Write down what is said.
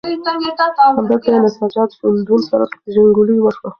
همدلته یې له سجاد ژوندون سره پېژندګلوي وشوه.